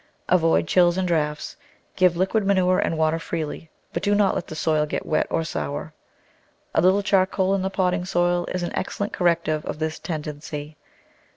Avoid chills and draughts. Give liquid manure and water freely, but do not let the soil get wet or sour. A little charcoal in the potting soil is an excellent corrective of this tendency.